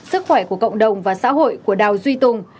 sức khỏe của cộng đồng và xã hội của đào duy tùng